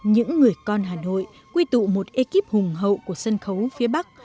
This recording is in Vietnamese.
những người con hà nội quy tụ một ekip hùng hậu của sân khấu phía bắc